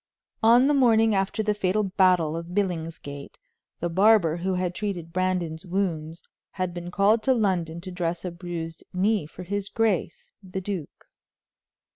On the morning after the fatal battle of Billingsgate, the barber who had treated Brandon's wounds had been called to London to dress a bruised knee for his grace, the duke.